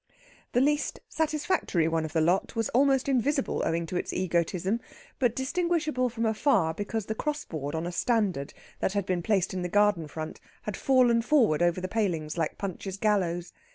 The least satisfactory one of the lot was almost invisible owing to its egotism, but distinguishable from afar because the cross board on a standard that had been placed in the garden front had fallen forward over the palings like Punch's gallows.